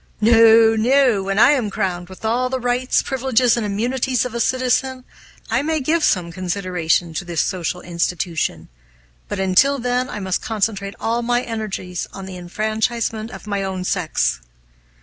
"No, no; when I am crowned with all the rights, privileges, and immunities of a citizen, I may give some consideration to this social institution; but until then I must concentrate all my energies on the enfranchisement of my own sex."